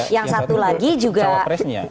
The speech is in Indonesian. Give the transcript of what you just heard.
yang satu lagi juga